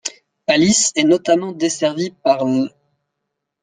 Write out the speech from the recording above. Alice est notamment desservie par l'.